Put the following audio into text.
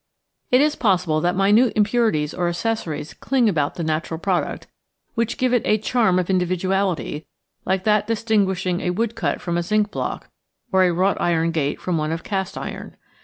It is possible that minute impurities or accessories cling about the natural product, which give it a charm of individuality like that distinguishing a woodcut from a zinc block, or a wrought iron gate from one of cast iron.